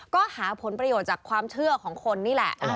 ก็หาผลประโยชน์จากความเชื่อของคนนี่แหละ